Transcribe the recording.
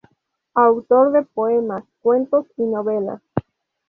Autor de poemas, cuentos y novelas.